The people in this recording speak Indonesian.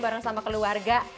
bareng sama keluarga